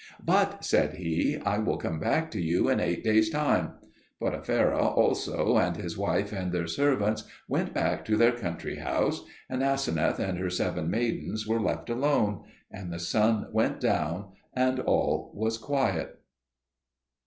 "But," said he, "I will come back to you in eight days' time." Potipherah also and his wife and their servants went back to their country house; and Aseneth and her seven maidens were left alone. And the sun went down and all was quiet.